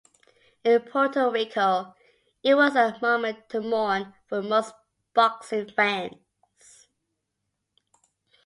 In Puerto Rico, it was a moment to mourn for most boxing fans.